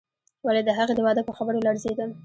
ولې د هغې د واده په خبر ولړزېدم.